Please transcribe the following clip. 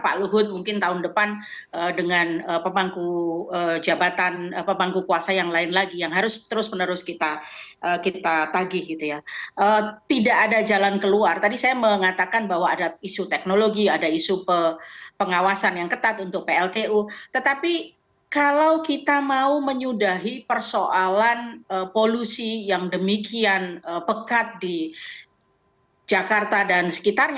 pada pltu sebagai sumber energi